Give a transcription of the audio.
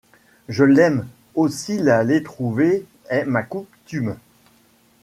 Je l'aime. Aussi l'aller trouver est ma coutume